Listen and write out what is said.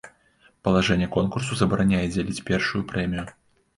Палажэнне конкурсу забараняе дзяліць першую прэмію.